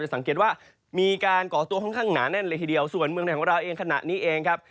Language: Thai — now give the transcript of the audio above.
สังเกตว่ามีการก่อตัวค่อนข้างหนาแน่นเลยทีเดียวส่วนเมืองไทยของเราเองขณะนี้เองครับ